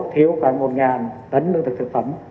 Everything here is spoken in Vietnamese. thiếu khoảng một tấn lương thực thực phẩm